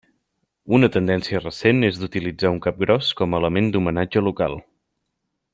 Una tendència recent és d’utilitzar un capgròs com a element d’homenatge local.